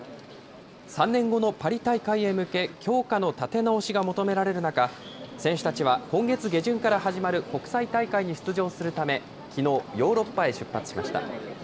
３年後のパリ大会へ向け、強化の立て直しが求められる中、選手たちは今月下旬から始まる国際大会に出場するため、きのう、ヨーロッパへ出発しました。